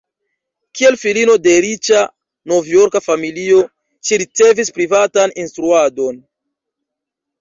Kiel filino de riĉa Novjorka familio, ŝi ricevis privatan instruadon.